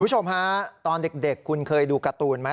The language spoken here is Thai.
คุณผู้ชมฮะตอนเด็กคุณเคยดูการ์ตูนไหม